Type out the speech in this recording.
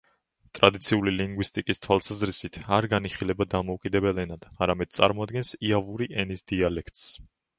ტრადიციული ლინგვისტიკის თვალსაზრისით არ განიხილება დამოუკიდებელ ენად, არამედ წარმოადგენს იავური ენის დიალექტს.